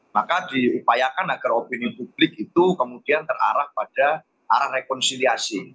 maka diupayakan agar opini publik itu kemudian terarah pada arah rekonsiliasi